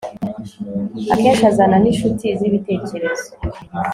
Akenshi azana ninshuti zibitekerezo